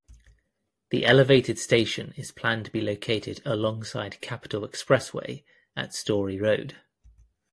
The elevated station is planned to be located alongside Capitol Expressway at Story Road.